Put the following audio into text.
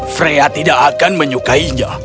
freya tidak akan menyukainya